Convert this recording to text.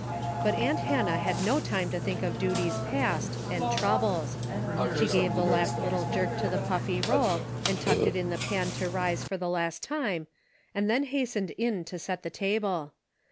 But aunt Hannah had no time to think of duties past, and troubles. She gave the last little jerk to the puffy roll and tucked it in the pan to rise for the last time, and then hastened in to set that table.